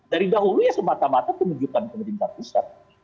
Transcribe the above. dari dahulu ya semata mata penunjukan pemerintah pusat